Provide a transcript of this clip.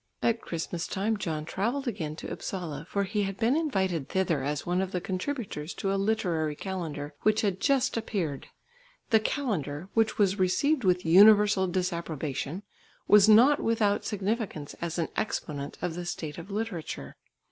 At Christmas time John travelled again to Upsala, for he had been invited thither as one of the contributors to a Literary Calendar which had just appeared. The Calendar, which was received with universal disapprobation, was not without significance as an exponent of the state of literature.